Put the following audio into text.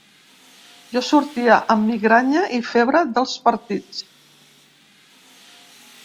Jo sortia amb migranya i febre dels partits.